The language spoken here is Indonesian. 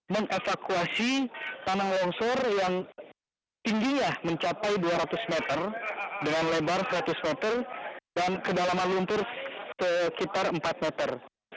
mengevakuasi tanah longsor yang tingginya mencapai dua ratus meter dengan lebar seratus meter dan kedalaman lumpur sekitar empat meter